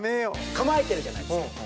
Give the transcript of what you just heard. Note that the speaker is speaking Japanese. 構えてるじゃないですか。